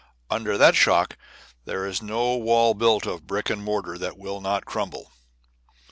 Under that shock there is no wall built of brick and mortar that will not crumble.